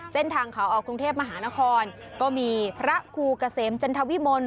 เส้นทางขาออกกรุงเทพมหานครก็มีพระครูเกษมจันทวิมล